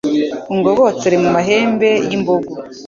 ungobotore mu mahembe y’imbogo